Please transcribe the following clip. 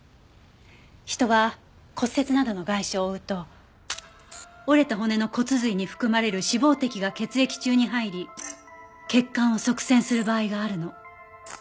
人は骨折などの外傷を負うと折れた骨の骨髄に含まれる脂肪滴が血液中に入り血管を塞栓する場合があるの。